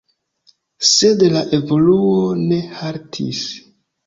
Sed la evoluo ne haltis.